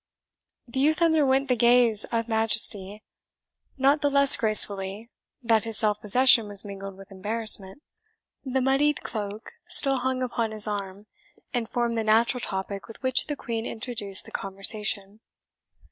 The youth underwent the gaze of Majesty, not the less gracefully that his self possession was mingled with embarrassment. The muddled cloak still hung upon his arm, and formed the natural topic with which the Queen introduced the conversation.